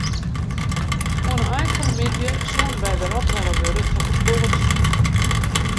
Oan 'e ein fan 'e middei soene wy wer ophelle wurde troch it boatsje.